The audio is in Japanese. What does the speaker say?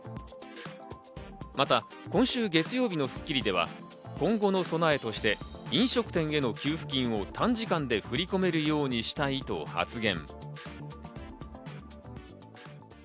また今週月曜日の『スッキリ』では、今後の備えとして、飲食店への給付金を短時間で振り込めるようにしたいと発言。